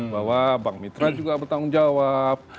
bahwa bank mitra juga bertanggung jawab